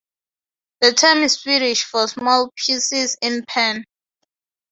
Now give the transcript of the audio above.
The term is Swedish for "small pieces in pan".